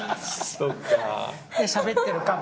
しゃべってるかも。